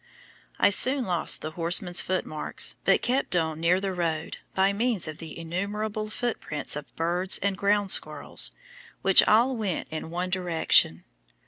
I soon lost the horseman's foot marks, but kept on near the road by means of the innumerable foot prints of birds and ground squirrels, which all went in one direction.